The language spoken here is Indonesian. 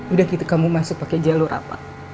udah gitu kamu masuk pakai jalur apa